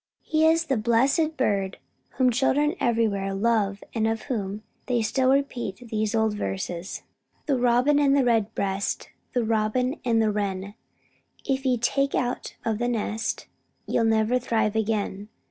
He is the blessed bird whom children everywhere love and of whom they still repeat these old verses: "The Robin and the Redbreast, The Robin and the Wren, If ye take out of the nest Ye'll never thrive again.